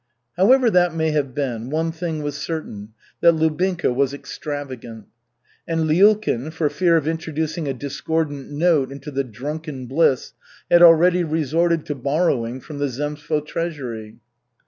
However that may have been, one thing was certain, that Lubinka was extravagant. And Lyulkin, for fear of introducing a discordant note into the drunken bliss, had already resorted to borrowing from the zemstvo treasury.